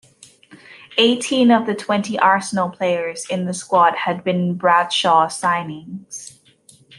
Eighteen of the twenty Arsenal players in the squad had been Bradshaw's signings.